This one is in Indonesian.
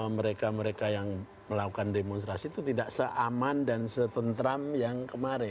mereka mereka yang melakukan demonstrasi itu tidak seaman dan setentram yang kemarin